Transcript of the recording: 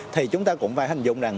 thì chúng ta cũng phải hình dung rằng